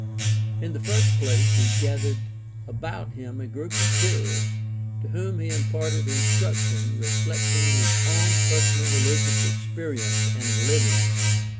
In the first place he gathered about him a group of hearers to whom he imparted instruction reflecting his own personal religious experience and living.